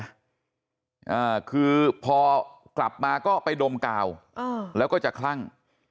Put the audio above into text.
อ่าคือพอกลับมาก็ไปดมกาวอ่าแล้วก็จะคลั่ง